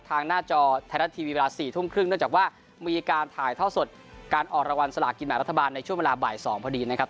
หน้าจอไทยรัฐทีวีเวลา๔ทุ่มครึ่งเนื่องจากว่ามีการถ่ายท่อสดการออกรางวัลสลากินแบบรัฐบาลในช่วงเวลาบ่าย๒พอดีนะครับ